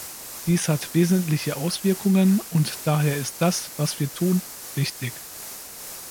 Dies hat wesentliche Auswirkungen, und daher ist das, was wir tun, wichtig.